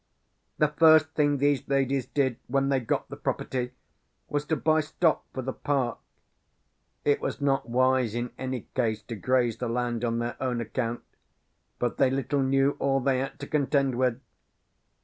"The first thing these ladies did, when they got the property, was to buy stock for the park. "It was not wise, in any case, to graze the land on their own account. But they little knew all they had to contend with.